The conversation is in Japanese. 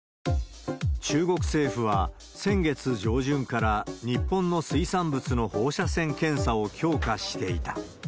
中国政府は、先月上旬から日本の水産物の放射線検査を強化していた。